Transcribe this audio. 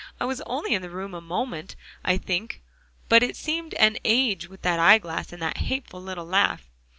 "I was only in the room a moment, I think, but it seemed an age with that eyeglass, and that hateful little laugh."